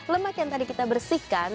lemak yang tadi kita bersihkan